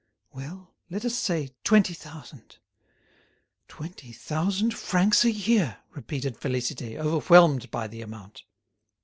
"Well, let us say twenty thousand. Twenty thousand francs a year!" repeated Félicité, overwhelmed by the amount.